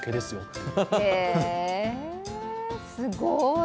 すっごい！